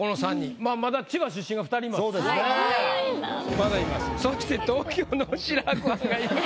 まだいます。